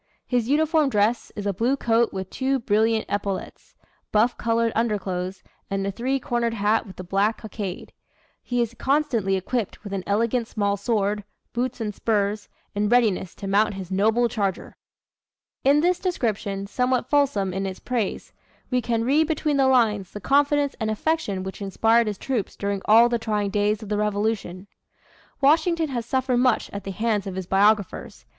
His uniform dress is a blue coat with two brilliant epaulets, buff colored underclothes, and a three cornered hat with a black cockade. He is constantly equipped with an elegant small sword, boots and spurs, in readiness to mount his noble charger." In this description, somewhat fulsome in its praise, we can read between the lines the confidence and affection which inspired his troops during all the trying days of the Revolution. Washington has suffered much at the hands of his biographers.